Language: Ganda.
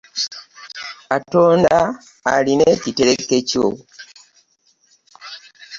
Katonda alina ekitereke kyo.